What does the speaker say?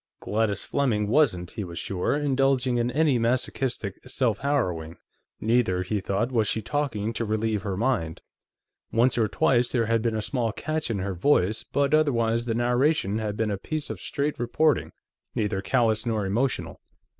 Gladys Fleming wasn't, he was sure, indulging in any masochistic self harrowing; neither, he thought, was she talking to relieve her mind. Once or twice there had been a small catch in her voice, but otherwise the narration had been a piece of straight reporting, neither callous nor emotional.